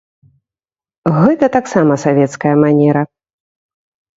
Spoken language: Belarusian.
Гэта таксама савецкая манера.